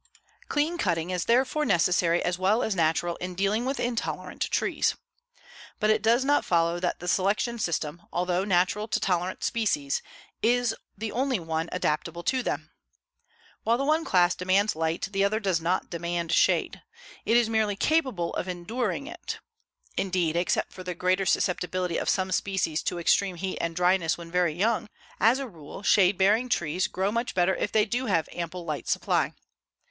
Clean cutting is therefore necessary as well as natural in dealing with intolerant trees. But it does not follow that the selection system, although natural to tolerant species, is the only one adaptable to them. While the one class demands light, the other does not demand shade. It is merely capable of enduring it. Indeed, except for the greater susceptibility of some species to extreme heat and dryness when very young, as a rule shade bearing trees grow much better if they do have ample light supply.